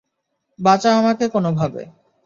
বাঁচা আমাকে কোনোভাবে।